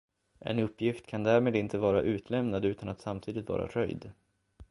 En uppgift kan därmed inte vara utlämnad utan att samtidigt vara röjd.